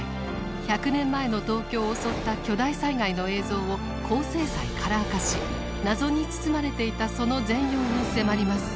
１００年前の東京を襲った巨大災害の映像を高精細カラー化し謎に包まれていたその全容に迫ります。